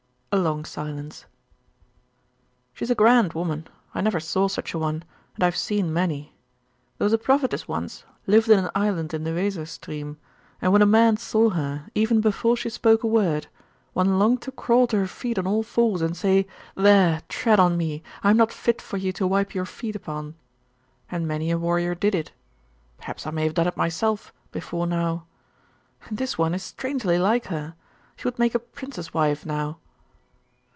A long silence. 'She is a grand woman. I never saw such a one, and I have seen many. There was a prophetess once, lived in an island in the Weser stream and when a man saw her, even before she spoke a word, one longed to crawl to her feet on all fours, and say, "There, tread on me; I am not fit for you to wipe your feet upon." And many a warrior did it.... Perhaps I may have done it myself, before now .... And this one is strangely like her. She would make a prince's wife, now.